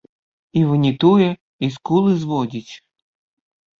І ванітуе, і скулы зводзіць.